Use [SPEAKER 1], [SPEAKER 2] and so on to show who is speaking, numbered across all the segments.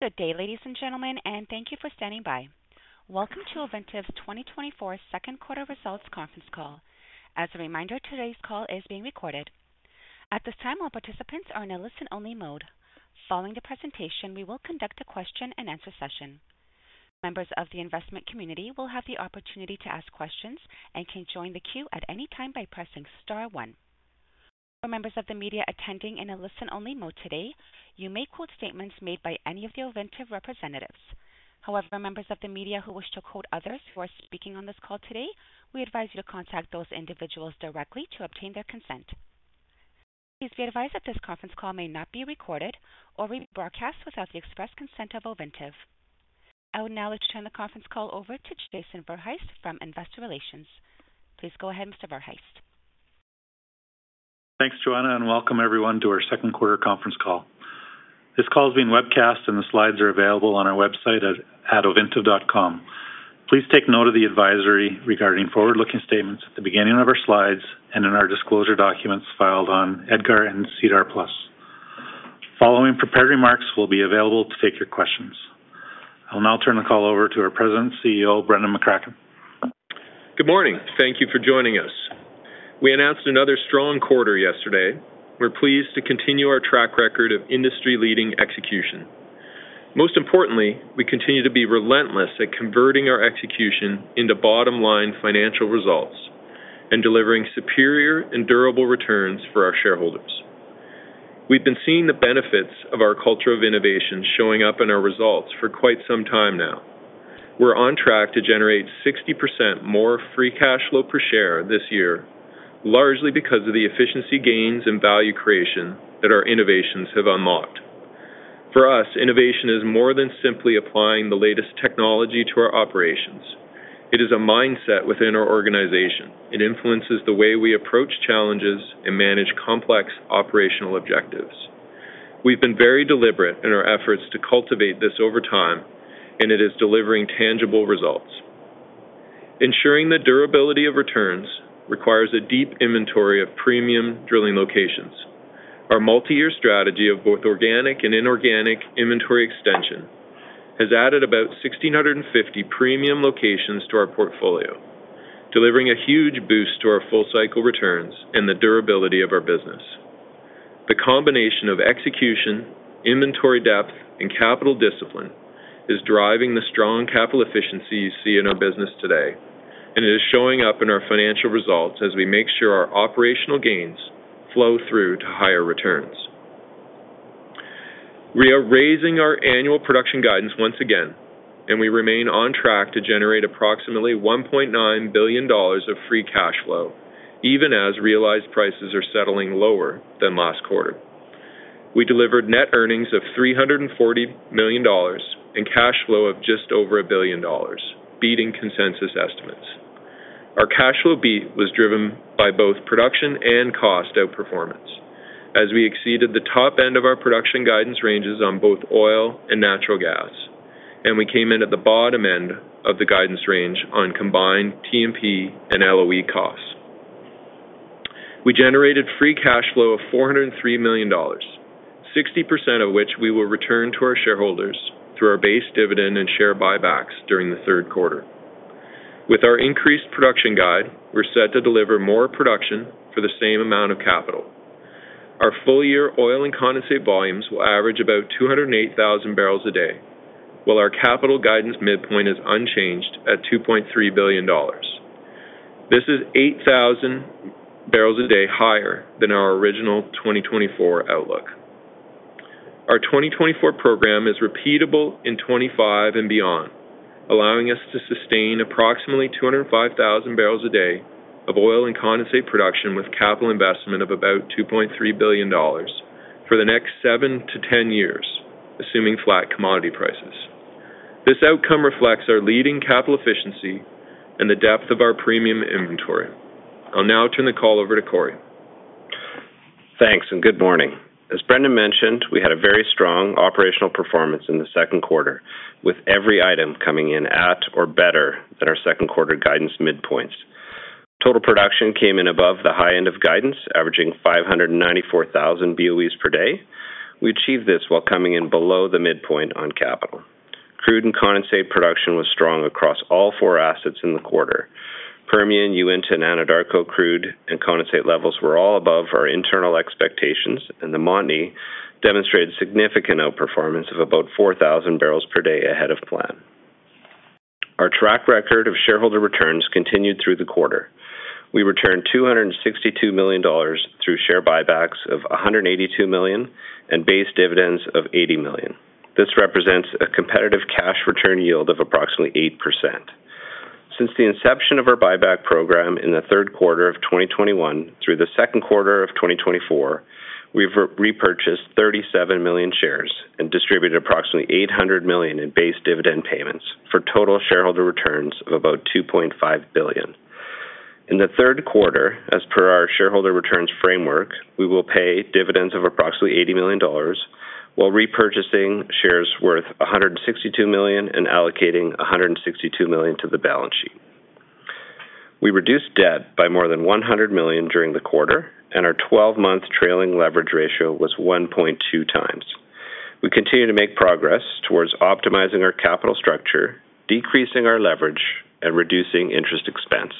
[SPEAKER 1] Good day, ladies and gentlemen, and thank you for standing by. Welcome to Ovintiv's 2024 second quarter results conference call. As a reminder, today's call is being recorded. At this time, all participants are in a listen-only mode. Following the presentation, we will conduct a question-and-answer session. Members of the investment community will have the opportunity to ask questions and can join the queue at any time by pressing star one. For members of the media attending in a listen-only mode today, you may quote statements made by any of the Ovintiv representatives. However, members of the media who wish to quote others who are speaking on this call today, we advise you to contact those individuals directly to obtain their consent. Please be advised that this conference call may not be recorded or will be broadcast without the express consent of Ovintiv. I will now turn the conference call over to Jason Verhaest from Investor Relations. Please go ahead, Mr. Verhaest.
[SPEAKER 2] Thanks, Joanne, and welcome everyone to oursSecond quarter conference call. This call is being webcast, and the slides are available on our website at ovintiv.com. Please take note of the advisory regarding forward-looking statements at the beginning of our slides and in our disclosure documents filed on EDGAR and SEDAR+. Following prepared remarks will be available to take your questions. I'll now turn the call over to our President and CEO, Brendan McCracken.
[SPEAKER 3] Good morning. Thank you for joining us. We announced another strong quarter yesterday. We're pleased to continue our track record of industry-leading execution. Most importantly, we continue to be relentless at converting our execution into bottom-line financial results and delivering superior and durable returns for our shareholders. We've been seeing the benefits of our culture of innovation showing up in our results for quite some time now. We're on track to generate 60% more free cash flow per share this year, largely because of the efficiency gains and value creation that our innovations have unlocked. For us, innovation is more than simply applying the latest technology to our operations. It is a mindset within our organization. It influences the way we approach challenges and manage complex operational objectives. We've been very deliberate in our efforts to cultivate this over time, and it is delivering tangible results. Ensuring the durability of returns requires a deep inventory of premium drilling locations. Our multi-year strategy of both organic and inorganic inventory extension has added about 1,650 premium locations to our portfolio, delivering a huge boost to our full-cycle returns and the durability of our business. The combination of execution, inventory depth, and capital discipline is driving the strong capital efficiency you see in our business today, and it is showing up in our financial results as we make sure our operational gains flow through to higher returns. We are raising our annual production guidance once again, and we remain on track to generate approximately $1.9 billion of free cash flow, even as realized prices are settling lower than last quarter. We delivered net earnings of $340 million and cash flow of just over $1 billion, beating consensus estimates. Our cash flow beat was driven by both production and cost outperformance as we exceeded the top end of our production guidance ranges on both oil and natural gas, and we came in at the bottom end of the guidance range on combined T&P and LOE costs. We generated free cash flow of $403 million, 60% of which we will return to our shareholders through our base dividend and share buybacks during the third quarter. With our increased production guide, we're set to deliver more production for the same amount of capital. Our full-year oil and condensate volumes will average about 208,000 barrels a day, while our capital guidance midpoint is unchanged at $2.3 billion. This is 8,000 barrels a day higher than our original 2024 outlook. Our 2024 program is repeatable in 2025 and beyond, allowing us to sustain approximately 205,000 barrels a day of oil and condensate production with capital investment of about $2.3 billion for the next seven to 10 years, assuming flat commodity prices. This outcome reflects our leading capital efficiency and the depth of our premium inventory. I'll now turn the call over to Corey.
[SPEAKER 4] Thanks and good morning. As Brendan mentioned, we had a very strong operational performance in the second quarter, with every item coming in at or better than our second quarter guidance midpoints. Total production came in above the high end of guidance, averaging 594,000 BOEs per day. We achieved this while coming in below the midpoint on capital. Crude and condensate production was strong across all four assets in the quarter. Permian, Uinta, and Anadarko crude and condensate levels were all above our internal expectations, and the Montney demonstrated significant outperformance of about 4,000 barrels per day ahead of plan. Our track record of shareholder returns continued through the quarter. We returned $262 million through share buybacks of $182 million and base dividends of $80 million. This represents a competitive cash return yield of approximately 8%. Since the inception of our buyback program in the third quarter of 2021 through the second quarter of 2024, we've repurchased 37 million shares and distributed approximately $800 million in base dividend payments for total shareholder returns of about $2.5 billion. In the third quarter, as per our shareholder returns framework, we will pay dividends of approximately $80 million while repurchasing shares worth $162 million and allocating $162 million to the balance sheet. We reduced debt by more than $100 million during the quarter, and our 12-month trailing leverage ratio was 1.2x. We continue to make progress towards optimizing our capital structure, decreasing our leverage, and reducing interest expense.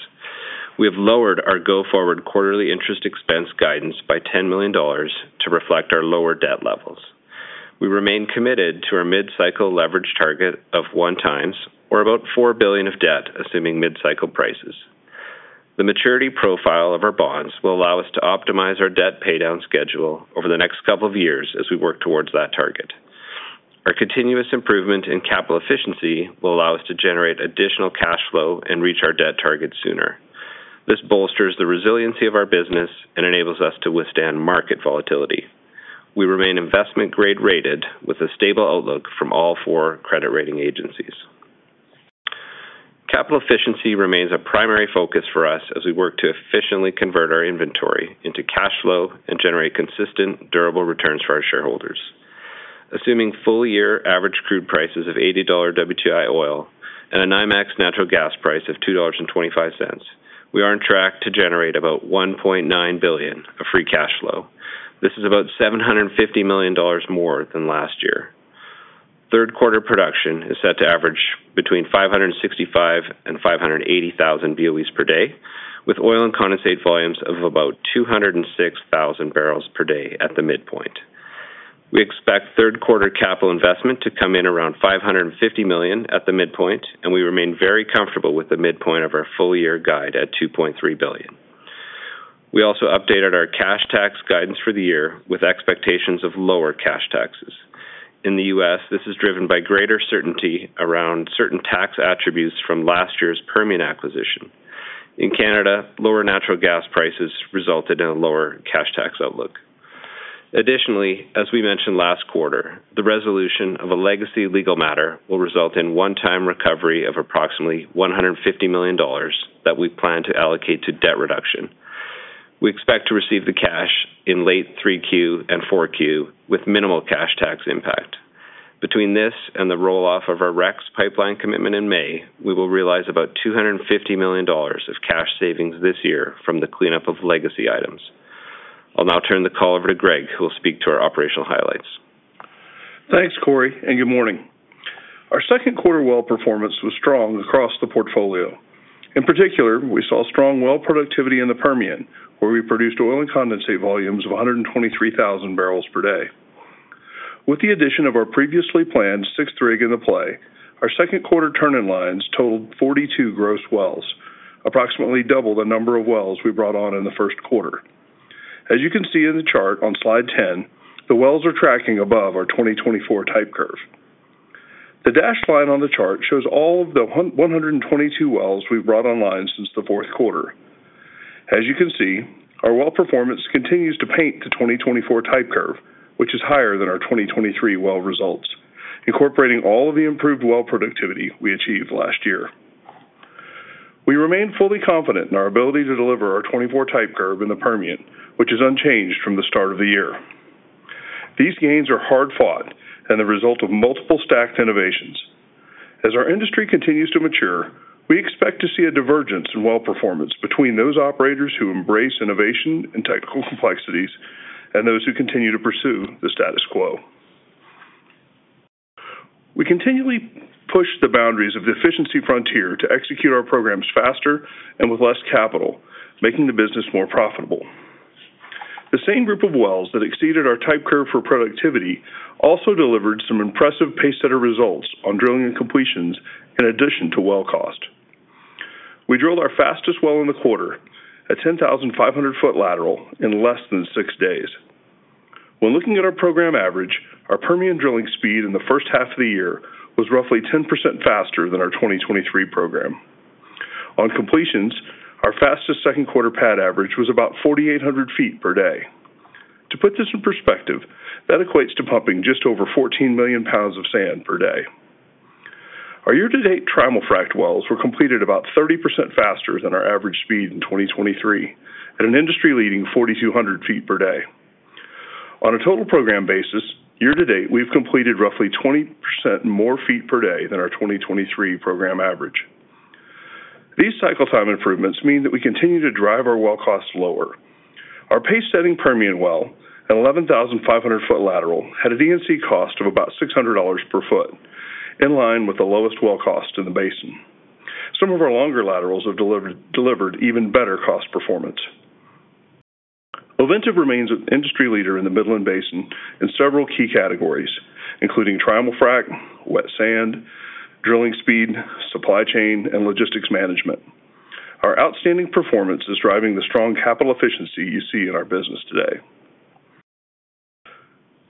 [SPEAKER 4] We have lowered our go-forward quarterly interest expense guidance by $10 million to reflect our lower debt levels. We remain committed to our mid-cycle leverage target of 1x or about $4 billion of debt, assuming mid-cycle prices. The maturity profile of our bonds will allow us to optimize our debt paydown schedule over the next couple of years as we work towards that target. Our continuous improvement in capital efficiency will allow us to generate additional cash flow and reach our debt target sooner. This bolsters the resiliency of our business and enables us to withstand market volatility. We remain investment-grade rated with a stable outlook from all four credit rating agencies. Capital efficiency remains a primary focus for us as we work to efficiently convert our inventory into cash flow and generate consistent, durable returns for our shareholders. Assuming full-year average crude prices of $80 WTI oil and a NYMEX natural gas price of $2.25, we are on track to generate about $1.9 billion of free cash flow. This is about $750 million more than last year. Third quarter production is set to average between 565,000 and 580,000 BOEs per day, with oil and condensate volumes of about 206,000 barrels per day at the midpoint. We expect third quarter capital investment to come in around $550 million at the midpoint, and we remain very comfortable with the midpoint of our full-year guide at $2.3 billion. We also updated our cash tax guidance for the year with expectations of lower cash taxes. In the U.S., this is driven by greater certainty around certain tax attributes from last year's Permian acquisition. In Canada, lower natural gas prices resulted in a lower cash tax outlook. Additionally, as we mentioned last quarter, the resolution of a legacy legal matter will result in one-time recovery of approximately $150 million that we plan to allocate to debt reduction. We expect to receive the cash in late 3Q and 4Q with minimal cash tax impact. Between this and the roll-off of our REX pipeline commitment in May, we will realize about $250 million of cash savings this year from the cleanup of legacy items. I'll now turn the call over to Greg, who will speak to our operational highlights.
[SPEAKER 5] Thanks, Corey, and good morning. Our second quarter well performance was strong across the portfolio. In particular, we saw strong well productivity in the Permian, where we produced oil and condensate volumes of 123,000 barrels per day. With the addition of our previously planned sixth rig in the play, our second quarter turn-in lines totaled 42 gross wells, approximately double the number of wells we brought on in the first quarter. As you can see in the chart on slide 10, the wells are tracking above our 2024 type curve. The dashed line on the chart shows all of the 122 wells we've brought online since the fourth quarter. As you can see, our well performance continues to paint the 2024 type curve, which is higher than our 2023 well results, incorporating all of the improved well productivity we achieved last year. We remain fully confident in our ability to deliver our 2024 type curve in the Permian, which is unchanged from the start of the year. These gains are hard-fought and the result of multiple stacked innovations. As our industry continues to mature, we expect to see a divergence in well performance between those operators who embrace innovation and technical complexities and those who continue to pursue the status quo. We continually push the boundaries of the efficiency frontier to execute our programs faster and with less capital, making the business more profitable. The same group of wells that exceeded our type curve for productivity also delivered some impressive pace setter results on drilling and completions in addition to well cost. We drilled our fastest well in the quarter at 10,500-foot lateral in less than six days. When looking at our program average, our Permian drilling speed in the first half of the year was roughly 10% faster than our 2023 program. On completions, our fastest second quarter pad average was about 4,800 feet per day. To put this in perspective, that equates to pumping just over 14 million pounds of sand per day. Our year-to-date Trimul-Frac wells were completed about 30% faster than our average speed in 2023 at an industry-leading 4,200 feet per day. On a total program basis, year-to-date, we've completed roughly 20% more feet per day than our 2023 program average. These cycle-time improvements mean that we continue to drive our well cost lower. Our pace-setting Permian well at 11,500-foot lateral had a D&C cost of about $600 per foot, in line with the lowest well cost in the basin. Some of our longer laterals have delivered even better cost performance. Ovintiv remains an industry leader in the Midland Basin in several key categories, including Trimul-Frac, wet sand, drilling speed, supply chain, and logistics management. Our outstanding performance is driving the strong capital efficiency you see in our business today.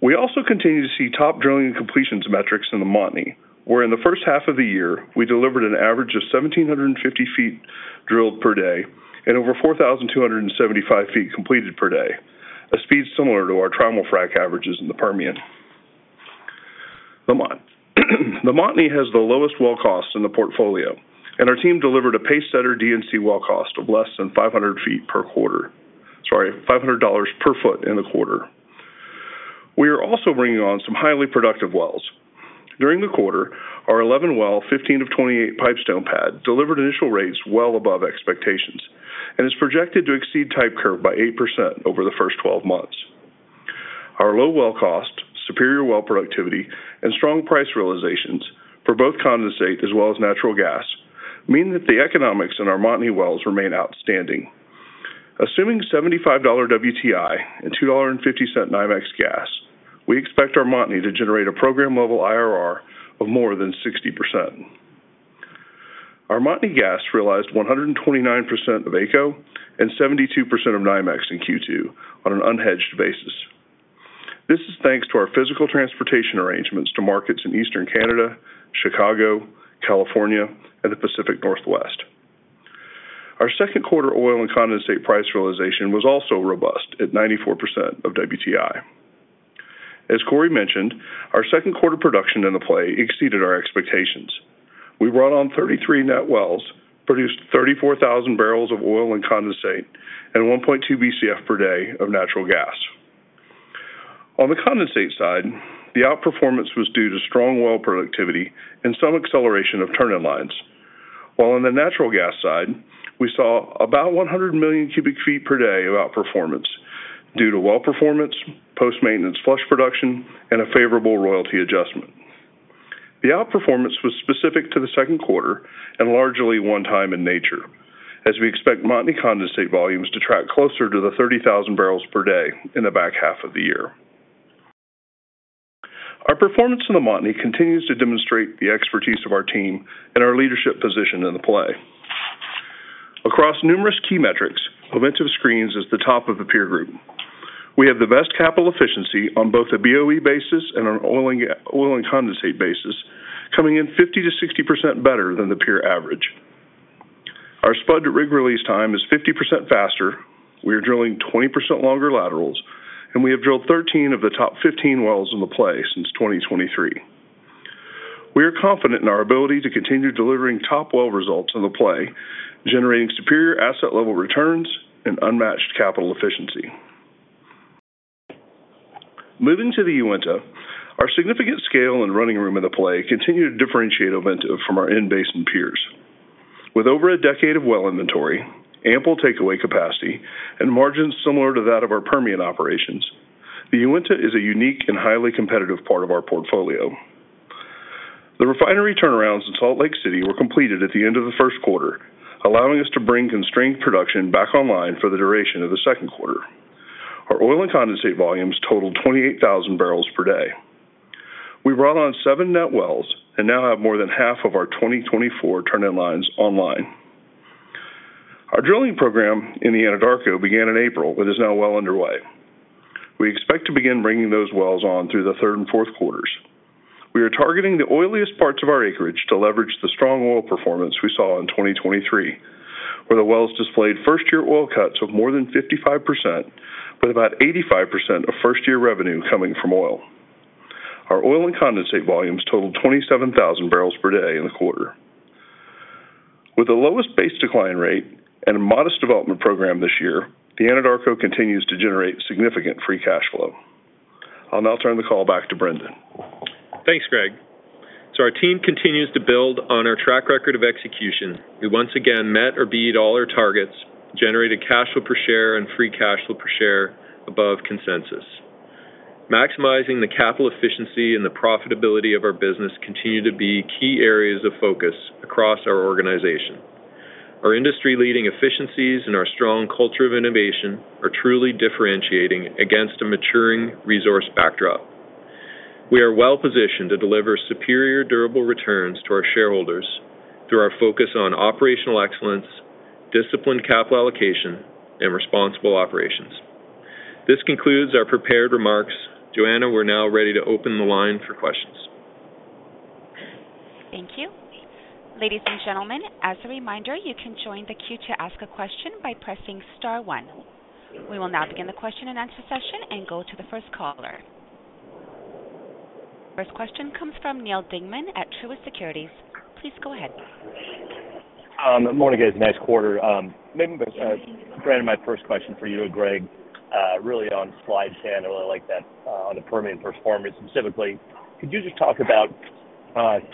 [SPEAKER 5] We also continue to see top drilling and completions metrics in the Montney, where in the first half of the year, we delivered an average of 1,750 feet drilled per day and over 4,275 feet completed per day, a speed similar to our Trimul-Frac averages in the Permian. The Montney has the lowest well cost in the portfolio, and our team delivered a pace-setter D&C well cost of less than $500 per quarter, sorry, $500 per foot in the quarter. We are also bringing on some highly productive wells. During the quarter, our 11-well, 15-of-28 Pipestone pad delivered initial rates well above expectations and is projected to exceed type curve by 8% over the first 12 months. Our low well cost, superior well productivity, and strong price realizations for both condensate as well as natural gas mean that the economics in our Montney wells remain outstanding. Assuming $75 WTI and $2.50 NYMEX gas, we expect our Montney to generate a program-level IRR of more than 60%. Our Montney gas realized 129% of AECO and 72% of NYMEX in Q2 on an unhedged basis. This is thanks to our physical transportation arrangements to markets in Eastern Canada, Chicago, California, and the Pacific Northwest. Our second quarter oil and condensate price realization was also robust at 94% of WTI. As Corey mentioned, our second quarter production in the play exceeded our expectations. We brought on 33 net wells, produced 34,000 barrels of oil and condensate, and 1.2 BCF per day of natural gas. On the condensate side, the outperformance was due to strong well productivity and some acceleration of turn-in-lines. While on the natural gas side, we saw about 100 million cubic feet per day of outperformance due to well performance, post-maintenance flush production, and a favorable royalty adjustment. The outperformance was specific to the second quarter and largely one-time in nature, as we expect Montney condensate volumes to track closer to the 30,000 barrels per day in the back half of the year. Our performance in the Montney continues to demonstrate the expertise of our team and our leadership position in the play. Across numerous key metrics, Ovintiv Screens is the top of the peer group. We have the best capital efficiency on both the BOE basis and oil and condensate basis, coming in 50%-60% better than the peer average. Our spud rig release time is 50% faster. We are drilling 20% longer laterals, and we have drilled 13 of the top 15 wells in the play since 2023. We are confident in our ability to continue delivering top well results in the play, generating superior asset-level returns and unmatched capital efficiency. Moving to the Uinta, our significant scale and running room in the play continue to differentiate Ovintiv from our in-basin peers. With over a decade of well inventory, ample takeaway capacity, and margins similar to that of our Permian operations, the Uinta is a unique and highly competitive part of our portfolio. The refinery turnarounds in Salt Lake City were completed at the end of the first quarter, allowing us to bring constrained production back online for the duration of the second quarter. Our oil and condensate volumes totaled 28,000 barrels per day. We brought on seven net wells and now have more than half of our 2024 turn-in lines online. Our drilling program in the Anadarko began in April and is now well underway. We expect to begin bringing those wells on through the third and fourth quarters. We are targeting the oiliest parts of our acreage to leverage the strong oil performance we saw in 2023, where the wells displayed first-year oil cuts of more than 55%, with about 85% of first-year revenue coming from oil. Our oil and condensate volumes totaled 27,000 barrels per day in the quarter. With the lowest base decline rate and a modest development program this year, the Anadarko continues to generate significant Free Cash Flow. I'll now turn the call back to Brendan.
[SPEAKER 3] Thanks, Greg. So our team continues to build on our track record of execution. We once again met or beat all our targets, generated cash flow per share and free cash flow per share above consensus. Maximizing the capital efficiency and the profitability of our business continue to be key areas of focus across our organization. Our industry-leading efficiencies and our strong culture of innovation are truly differentiating against a maturing resource backdrop. We are well positioned to deliver superior durable returns to our shareholders through our focus on operational excellence, disciplined capital allocation, and responsible operations. This concludes our prepared remarks. Joanne, we're now ready to open the line for questions.
[SPEAKER 1] Thank you. Ladies and gentlemen, as a reminder, you can join the queue to ask a question by pressing star one. We will now begin the question and answer session and go to the first caller. First question comes from Neal Dingmann at Truist Securities. Please go ahead.
[SPEAKER 6] Good morning, guys. Nice quarter. Maybe Brendan, my first question for you and Greg, really on slide 10. I really like that on the Permian performance specifically. Could you just talk about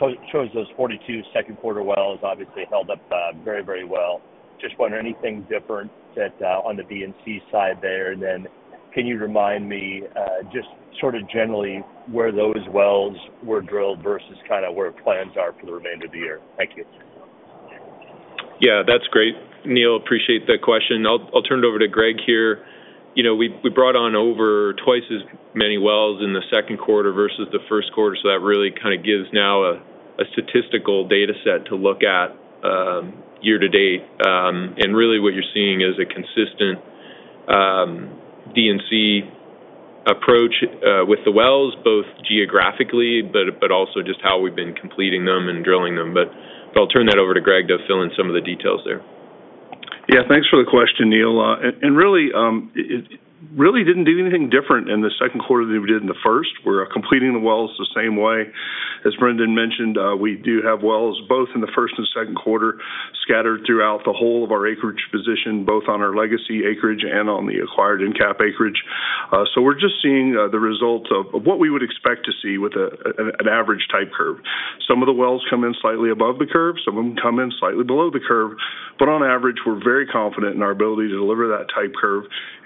[SPEAKER 6] those 42 second quarter wells? Obviously held up very, very well. Just wonder anything different on the D&C side there. And then can you remind me just sort of generally where those wells were drilled versus kind of where plans are for the remainder of the year? Thank you.
[SPEAKER 3] Yeah, that's great. Neal, appreciate the question. I'll turn it over to Greg here. We brought on over twice as many wells in the second quarter versus the first quarter. So that really kind of gives now a statistical data set to look at year-to-date. And really what you're seeing is a consistent D&C approach with the wells, both geographically, but also just how we've been completing them and drilling them. But I'll turn that over to Greg to fill in some of the details there.
[SPEAKER 5] Yeah, thanks for the question, Neal. Really didn't do anything different in the second quarter than we did in the first. We're completing the wells the same way. As Brendan mentioned, we do have wells both in the first and second quarter scattered throughout the whole of our acreage position, both on our legacy acreage and on the acquired EnCap acreage. So we're just seeing the result of what we would expect to see with an average type curve. Some of the wells come in slightly above the curve. Some of them come in slightly below the curve. But on average, we're very confident in our ability to deliver that type curve.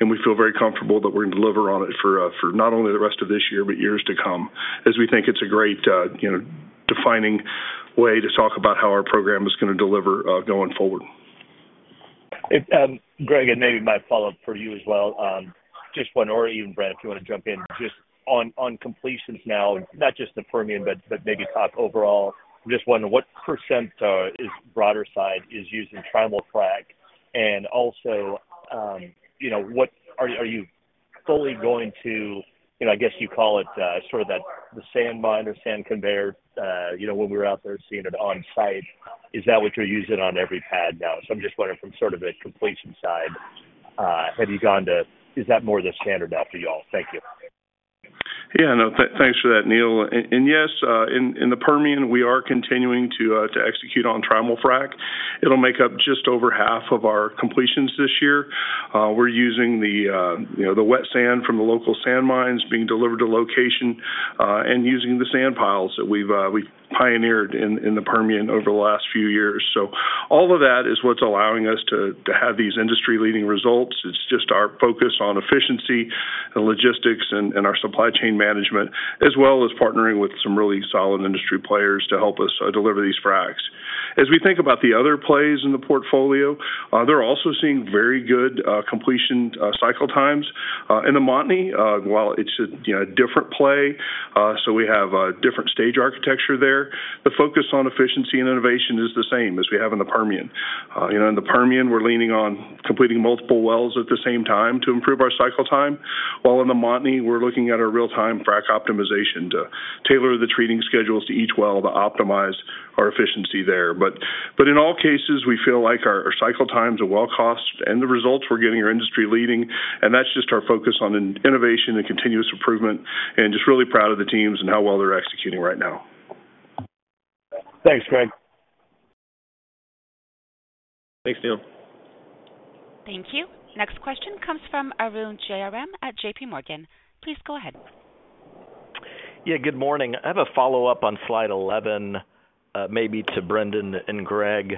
[SPEAKER 5] We feel very comfortable that we're going to deliver on it for not only the rest of this year, but years to come, as we think it's a great defining way to talk about how our program is going to deliver going forward.
[SPEAKER 6] Greg, and maybe my follow-up for you as well. Just wonder, or even Brendan, if you want to jump in, just on completions now, not just the Permian, but maybe top overall. Just wondering what percent is broader side is using Trimul-Frac? And also, are you fully going to, I guess you call it sort of the sand mine or sand conveyor when we were out there seeing it on site? Is that what you're using on every pad now? So I'm just wondering from sort of the completion side, have you gone to, is that more the standard now for you all? Thank you.
[SPEAKER 5] Yeah, no, thanks for that, Neal. And yes, in the Permian, we are continuing to execute on Trimul-Frac. It'll make up just over half of our completions this year. We're using the wet sand from the local sand mines being delivered to location and using the sand piles that we've pioneered in the Permian over the last few years. So all of that is what's allowing us to have these industry-leading results. It's just our focus on efficiency and logistics and our supply chain management, as well as partnering with some really solid industry players to help us deliver these fracs. As we think about the other plays in the portfolio, they're also seeing very good completion cycle times. In the Montney, while it's a different play, so we have a different stage architecture there, the focus on efficiency and innovation is the same as we have in the Permian. In the Permian, we're leaning on completing multiple wells at the same time to improve our cycle time. While in the Montney, we're looking at a real-time frac optimization to tailor the treating schedules to each well to optimize our efficiency there. But in all cases, we feel like our cycle times, our well cost, and the results we're getting are industry-leading. And that's just our focus on innovation and continuous improvement. And just really proud of the teams and how well they're executing right now.
[SPEAKER 6] Thanks, Greg.
[SPEAKER 5] Thanks, Neal.
[SPEAKER 1] Thank you. Next question comes from Arun Jayaram at JPMorgan. Please go ahead.
[SPEAKER 7] Yeah, good morning. I have a follow-up on slide 11, maybe to Brendan and Greg.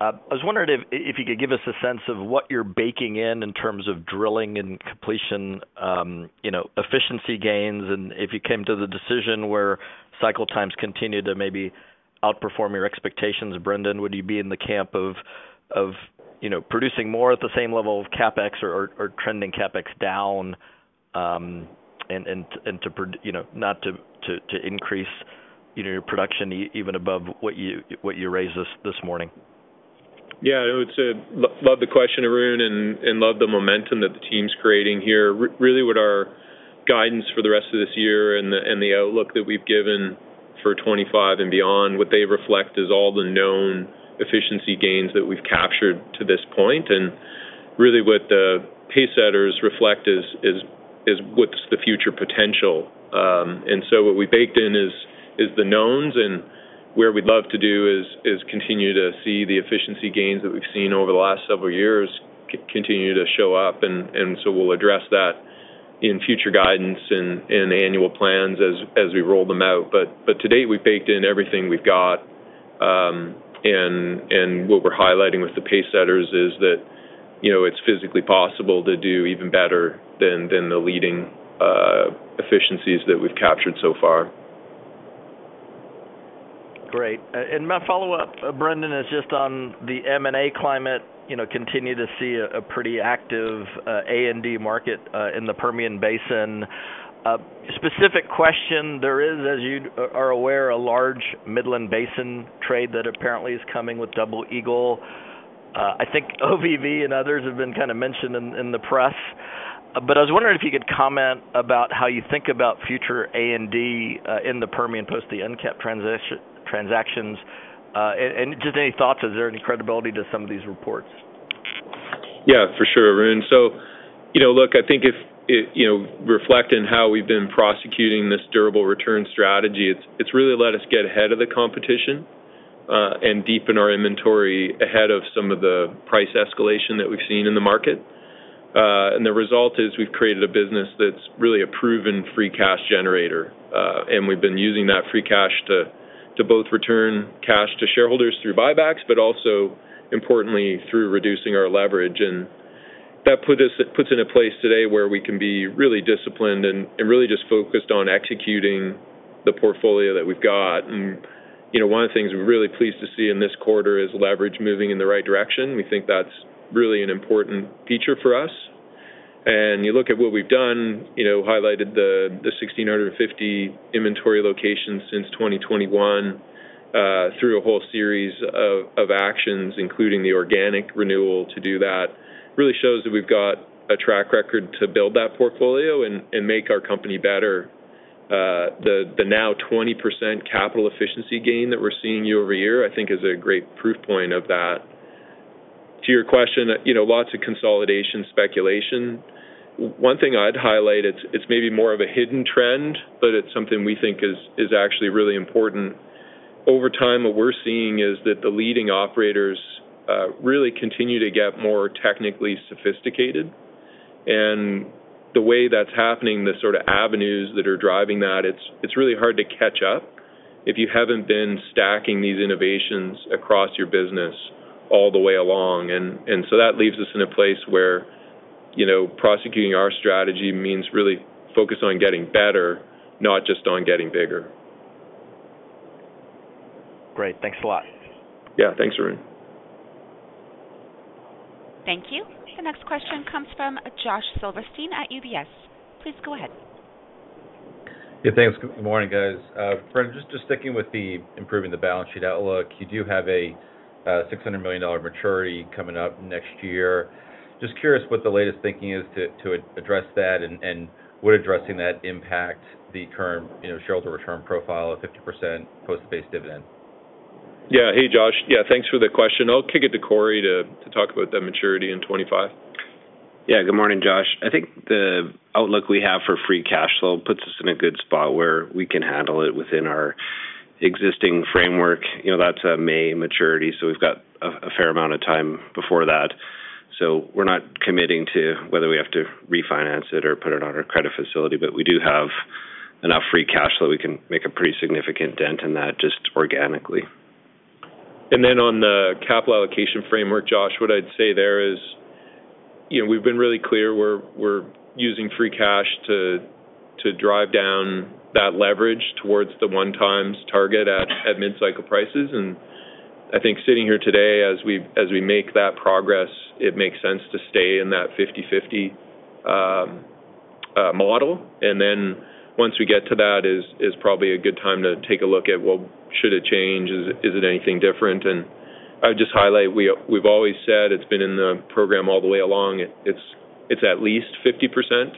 [SPEAKER 7] I was wondering if you could give us a sense of what you're baking in in terms of drilling and completion efficiency gains. If you came to the decision where cycle times continue to maybe outperform your expectations, Brendan, would you be in the camp of producing more at the same level of CapEx or trending CapEx down and not to increase your production even above what you raised this morning?
[SPEAKER 3] Yeah, I would say love the question, Arun, and love the momentum that the team's creating here. Really, what our guidance for the rest of this year and the outlook that we've given for 2025 and beyond, what they reflect is all the known efficiency gains that we've captured to this point. And really, what the pace setters reflect is what's the future potential. And so what we baked in is the knowns. And where we'd love to do is continue to see the efficiency gains that we've seen over the last several years continue to show up. And so we'll address that in future guidance and annual plans as we roll them out. But to date, we've baked in everything we've got. And what we're highlighting with the pace setters is that it's physically possible to do even better than the leading efficiencies that we've captured so far.
[SPEAKER 7] Great. My follow-up, Brendan, is just on the M&A climate. Continue to see a pretty active A&D market in the Permian Basin. Specific question, there is, as you are aware, a large Midland Basin trade that apparently is coming with Double Eagle. I think OVV and others have been kind of mentioned in the press. But I was wondering if you could comment about how you think about future A&D in the Permian post the EnCap transactions. And just any thoughts? Is there any credibility to some of these reports?
[SPEAKER 3] Yeah, for sure, Arun. So look, I think if reflecting how we've been prosecuting this durable return strategy, it's really let us get ahead of the competition and deepen our inventory ahead of some of the price escalation that we've seen in the market. And the result is we've created a business that's really a proven free cash generator. And we've been using that free cash to both return cash to shareholders through buybacks, but also, importantly, through reducing our leverage. And that puts in a place today where we can be really disciplined and really just focused on executing the portfolio that we've got. And one of the things we're really pleased to see in this quarter is leverage moving in the right direction. We think that's really an important feature for us. And you look at what we've done, highlighted the 1,650 inventory locations since 2021 through a whole series of actions, including the organic renewal to do that. Really shows that we've got a track record to build that portfolio and make our company better. The now 20% capital efficiency gain that we're seeing year-over-year, I think, is a great proof point of that. To your question, lots of consolidation speculation. One thing I'd highlight, it's maybe more of a hidden trend, but it's something we think is actually really important. Over time, what we're seeing is that the leading operators really continue to get more technically sophisticated. And the way that's happening, the sort of avenues that are driving that, it's really hard to catch up if you haven't been stacking these innovations across your business all the way along. And so that leaves us in a place where prosecuting our strategy means really focus on getting better, not just on getting bigger.
[SPEAKER 7] Great. Thanks a lot.
[SPEAKER 3] Yeah, thanks, Arun.
[SPEAKER 1] Thank you. The next question comes from Josh Silverstein at UBS. Please go ahead.
[SPEAKER 8] Yeah, thanks. Good morning, guys. Brendan, just sticking with the improving the balance sheet outlook, you do have a $600 million maturity coming up next year. Just curious what the latest thinking is to address that and would addressing that impact the current shareholder return profile of 50% post the base dividend?
[SPEAKER 3] Yeah. Hey, Josh. Yeah, thanks for the question. I'll kick it to Corey to talk about that maturity in 2025.
[SPEAKER 4] Yeah, good morning, Josh. I think the outlook we have for free cash flow puts us in a good spot where we can handle it within our existing framework. That's a May maturity. So we've got a fair amount of time before that. So we're not committing to whether we have to refinance it or put it on our credit facility. But we do have enough free cash that we can make a pretty significant dent in that just organically.
[SPEAKER 3] Then on the capital allocation framework, Josh, what I'd say there is we've been really clear we're using free cash to drive down that leverage towards the 1x target at mid-cycle prices. And I think sitting here today, as we make that progress, it makes sense to stay in that 50/50 model. And then once we get to that, it's probably a good time to take a look at, well, should it change? Is it anything different? And I would just highlight we've always said it's been in the program all the way along. It's at least 50%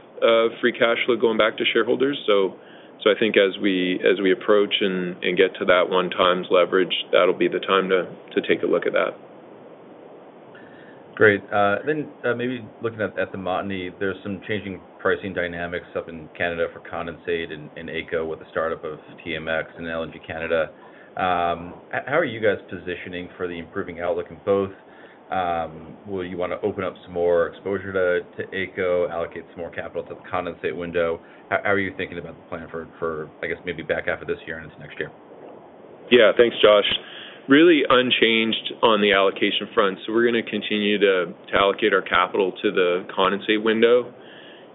[SPEAKER 3] free cash flow going back to shareholders. So I think as we approach and get to that 1x leverage, that'll be the time to take a look at that.
[SPEAKER 8] Great. Then maybe looking at the Montney, there's some changing pricing dynamics up in Canada for condensate and AECO with the startup of TMX and LNG Canada. How are you guys positioning for the improving outlook in both? Will you want to open up some more exposure to AECO, allocate some more capital to the condensate window? How are you thinking about the plan for, I guess, maybe back after this year and into next year?
[SPEAKER 3] Yeah, thanks, Josh. Really unchanged on the allocation front. So we're going to continue to allocate our capital to the Condensate window.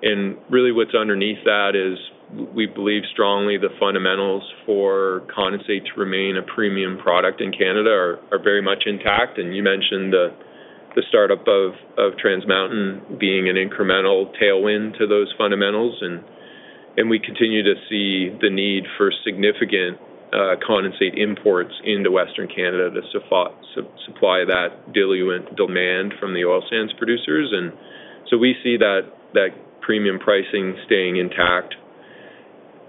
[SPEAKER 3] And really what's underneath that is we believe strongly the fundamentals for Condensate to remain a premium product in Canada are very much intact. And you mentioned the startup of Trans Mountain being an incremental tailwind to those fundamentals. And we continue to see the need for significant Condensate imports into Western Canada to supply that diluent demand from the oil sands producers. And so we see that premium pricing staying intact.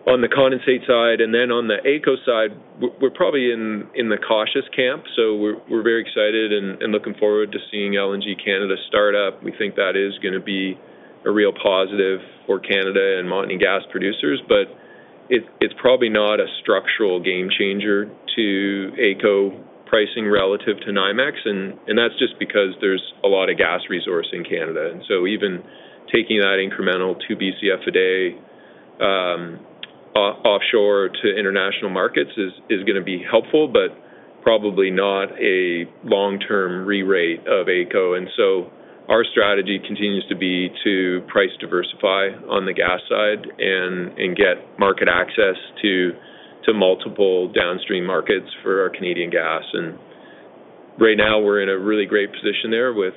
[SPEAKER 3] On the Condensate side and then on the AECO side, we're probably in the cautious camp. So we're very excited and looking forward to seeing LNG Canada start up. We think that is going to be a real positive for Canada and Montney gas producers. But it's probably not a structural game changer to AECO pricing relative to NYMEX. And that's just because there's a lot of gas resource in Canada. And so even taking that incremental 2 BCF a day offshore to international markets is going to be helpful, but probably not a long-term re-rate of AECO. And so our strategy continues to be to price diversify on the gas side and get market access to multiple downstream markets for our Canadian gas. And right now, we're in a really great position there with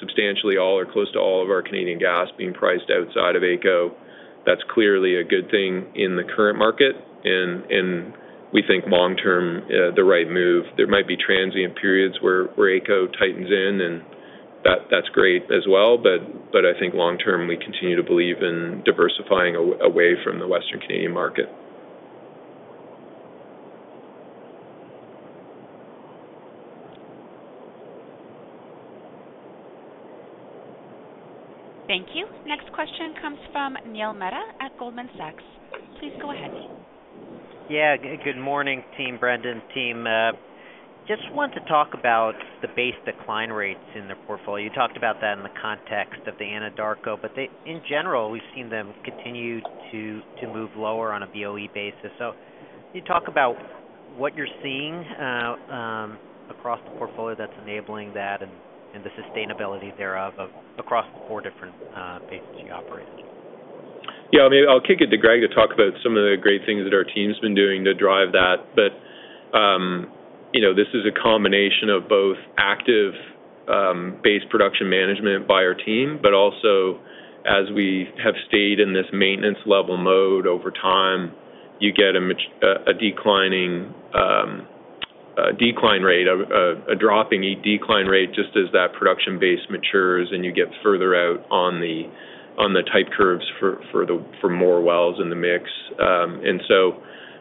[SPEAKER 3] substantially all or close to all of our Canadian gas being priced outside of AECO. That's clearly a good thing in the current market. And we think long-term, the right move. There might be transient periods where AECO tightens in, and that's great as well. I think long-term, we continue to believe in diversifying away from the Western Canadian market.
[SPEAKER 1] Thank you. Next question comes from Neil Mehta at Goldman Sachs. Please go ahead.
[SPEAKER 9] Yeah, good morning, team Brendan, team. Just wanted to talk about the base decline rates in their portfolio. You talked about that in the context of the Anadarko, but in general, we've seen them continue to move lower on a BOE basis. So can you talk about what you're seeing across the portfolio that's enabling that and the sustainability thereof across the four different basins you operate?
[SPEAKER 3] Yeah, I'll kick it to Greg to talk about some of the great things that our team's been doing to drive that. But this is a combination of both active base production management by our team, but also as we have stayed in this maintenance level mode over time, you get a declining decline, a dropping decline rate just as that production base matures and you get further out on the type curves for more wells in the mix. And so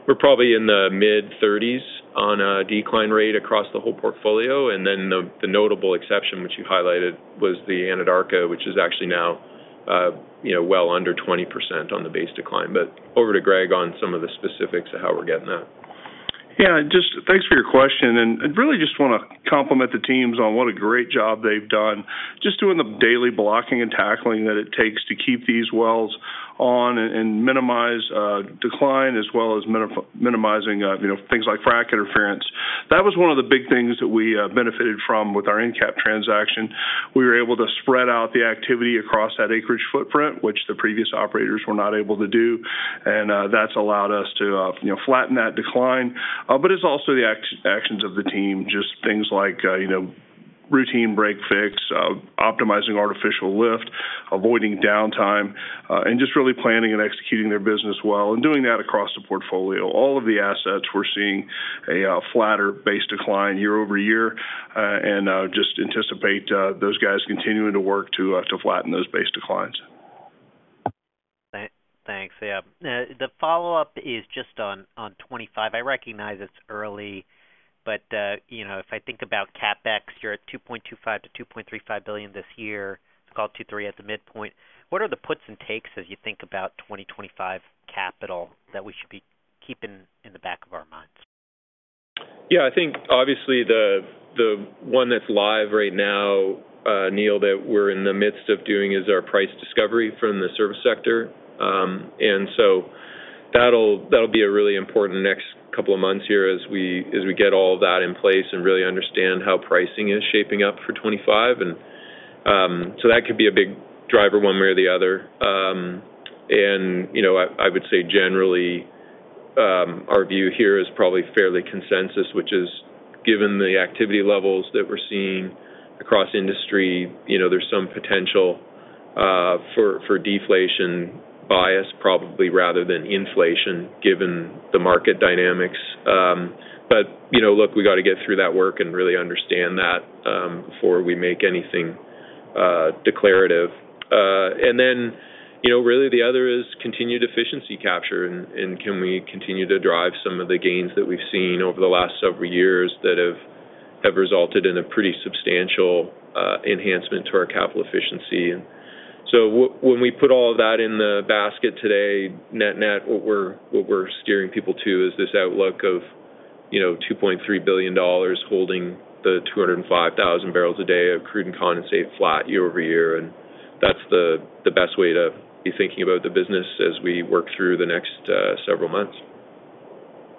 [SPEAKER 3] we're probably in the mid-30s on a decline rate across the whole portfolio. And then the notable exception, which you highlighted, was the Anadarko, which is actually now well under 20% on the base decline. But over to Greg on some of the specifics of how we're getting that.
[SPEAKER 5] Yeah, just thanks for your question. And really just want to compliment the teams on what a great job they've done. Just doing the daily blocking and tackling that it takes to keep these wells on and minimize decline as well as minimizing things like frac interference. That was one of the big things that we benefited from with our EnCap transaction. We were able to spread out the activity across that acreage footprint, which the previous operators were not able to do. And that's allowed us to flatten that decline. But it's also the actions of the team, just things like routine break fix, optimizing artificial lift, avoiding downtime, and just really planning and executing their business well and doing that across the portfolio. All of the assets, we're seeing a flatter base decline year over year. Just anticipate those guys continuing to work to flatten those base declines.
[SPEAKER 9] Thanks. Yeah. The follow-up is just on 2025. I recognize it's early, but if I think about CapEx, you're at $2.25 billion-$2.35 billion this year. It's called $2.3 billion at the midpoint. What are the puts and takes as you think about 2025 capital that we should be keeping in the back of our minds?
[SPEAKER 3] Yeah, I think obviously the one that's live right now, Neil, that we're in the midst of doing is our price discovery from the service sector. And so that'll be a really important next couple of months here as we get all of that in place and really understand how pricing is shaping up for 2025. And so that could be a big driver one way or the other. And I would say generally, our view here is probably fairly consensus, which is given the activity levels that we're seeing across industry, there's some potential for deflation bias probably rather than inflation given the market dynamics. But look, we got to get through that work and really understand that before we make anything declarative. And then really the other is continued efficiency capture. Can we continue to drive some of the gains that we've seen over the last several years that have resulted in a pretty substantial enhancement to our capital efficiency? So when we put all of that in the basket today, net-net, what we're steering people to is this outlook of $2.3 billion holding the 205,000 barrels a day of crude and condensate flat year-over-year. That's the best way to be thinking about the business as we work through the next several months.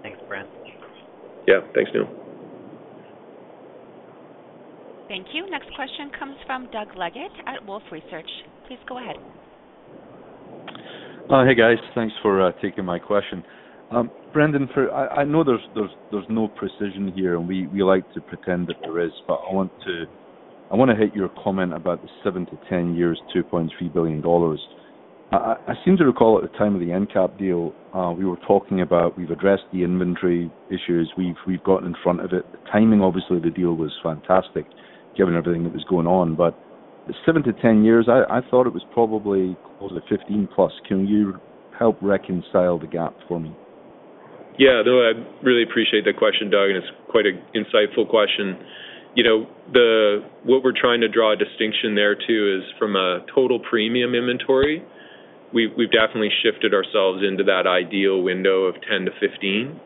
[SPEAKER 9] Thanks, Brendan.
[SPEAKER 3] Yeah, thanks, Neil.
[SPEAKER 1] Thank you. Next question comes from Doug Leggett at Wolfe Research. Please go ahead.
[SPEAKER 10] Hey, guys. Thanks for taking my question. Brendan, I know there's no precision here, and we like to pretend that there is, but I want to hit your comment about the seven to 10 years, $2.3 billion. I seem to recall at the time of the EnCap deal, we were talking about we've addressed the inventory issues. We've gotten in front of it. The timing, obviously, of the deal was fantastic given everything that was going on. But the seven to 10 years, I thought it was probably close to 15+. Can you help reconcile the gap for me?
[SPEAKER 3] Yeah, no, I really appreciate the question, Douglas. It's quite an insightful question. What we're trying to draw a distinction there too is from a total premium inventory, we've definitely shifted ourselves into that ideal window of 10-15.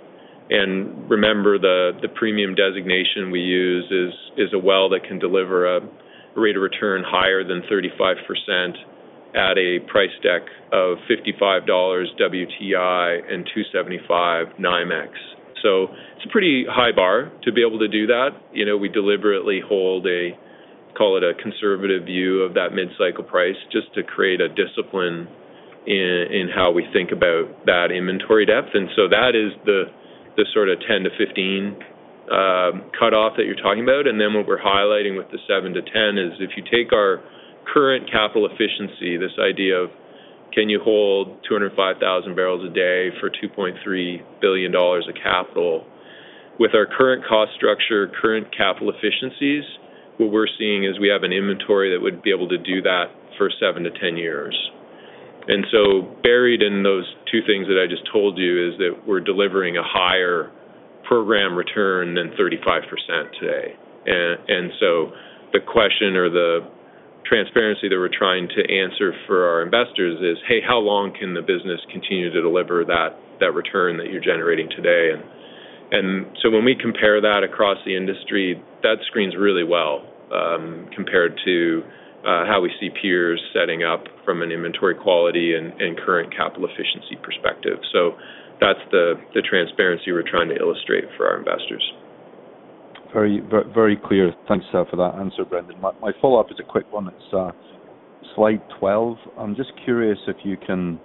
[SPEAKER 3] Remember, the premium designation we use is a well that can deliver a rate of return higher than 35% at a price deck of $55 WTI and 275 NYMEX. So it's a pretty high bar to be able to do that. We deliberately hold a, call it a conservative view of that mid-cycle price just to create a discipline in how we think about that inventory depth. So that is the sort of 10 to 15 cutoff that you're talking about. And then what we're highlighting with the seven to 10 is if you take our current capital efficiency, this idea of can you hold 205,000 barrels a day for $2.3 billion of capital with our current cost structure, current capital efficiencies, what we're seeing is we have an inventory that would be able to do that for seven to 10 years. And so buried in those two things that I just told you is that we're delivering a higher program return than 35% today. And so the question or the transparency that we're trying to answer for our investors is, hey, how long can the business continue to deliver that return that you're generating today? And so when we compare that across the industry, that screens really well compared to how we see peers setting up from an inventory quality and current capital efficiency perspective. So that's the transparency we're trying to illustrate for our investors.
[SPEAKER 10] Very clear. Thanks for that answer, Brendan. My follow-up is a quick one. It's slide 12. I'm just curious if you can,